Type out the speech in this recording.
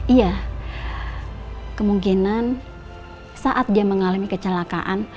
iya kemungkinan saat dia mengalami kecelakaan